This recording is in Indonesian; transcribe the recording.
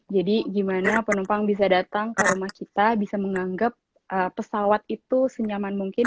jadi gimana penumpang bisa datang ke rumah kita bisa menganggap pesawat itu senyaman mungkin